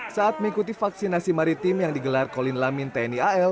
saat mengikuti vaksinasi maritim yang digelar kolin lamin tni al